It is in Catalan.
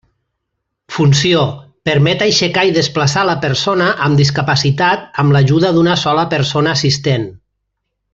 Funció: permet aixecar i desplaçar la persona amb discapacitat amb l'ajuda d'una sola persona assistent.